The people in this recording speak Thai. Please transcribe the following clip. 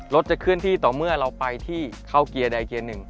จะเคลื่อนที่ต่อเมื่อเราไปที่เข้าเกียร์ใดเกียร์หนึ่ง